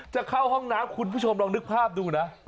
จะเข้าห้องน้ำคุณผู้ชมลองนึกภาพดูนะ